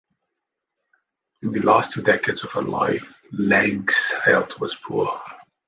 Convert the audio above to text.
In the last two decades of her life, Lange's health was poor.